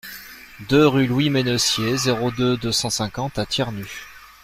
deux rue Louis Mennessier, zéro deux, deux cent cinquante à Thiernu